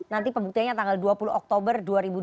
nanti pembuktiannya tanggal dua puluh oktober dua ribu dua puluh